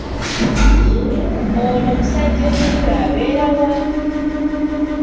Ono musajjamukulu abeera wa?